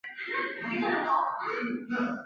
和尼奥尔德分手后据说再嫁给乌勒尔。